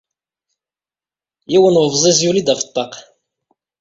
Yiwen n ubezbiz yuli-d ɣef ṭṭaq.